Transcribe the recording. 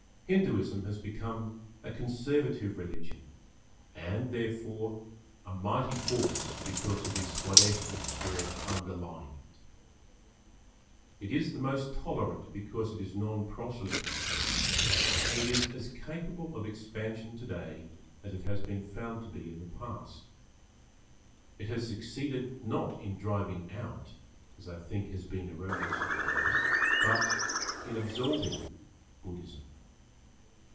Hinduism has become a conservative religion and, therefore, a mighty force because of the Swadeshi spirit underlying it. It is the most tolerant because it is non proselytising, and it is as capable of expansion today as it has been found to be in the past. It has succeeded not in driving out, as I think it has been erroneously held, but in absorbing Buddhism.